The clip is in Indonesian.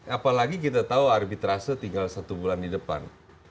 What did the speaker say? apalagi kita tahu arbitrase tinggal satu bulan di depan